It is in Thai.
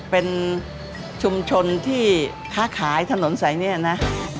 เป็นชุมชนที่ค้าขายถนนสายนี้นะ